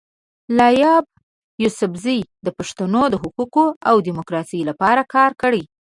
لایبا یوسفزۍ د پښتنو د حقونو او ډیموکراسۍ لپاره کار کړی.